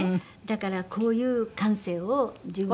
だからこういう感性を自分で。